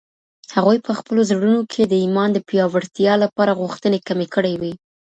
هغوی په خپلو زړونو کي د ایمان د پیاوړتیا لپاره غوښتني کمې کړي وې.